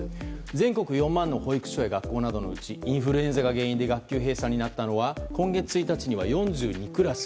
全国４万の保育所や学校などのうちインフルエンザが原因で学級閉鎖になったのは今月１日は４２クラス。